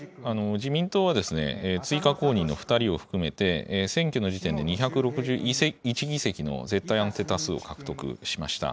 自民党は、追加公認の２人を含めて、選挙の時点で２６１議席の絶対安定多数を獲得しました。